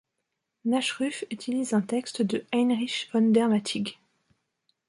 Nachruf utilise un texte de Heinrich von der Mattig.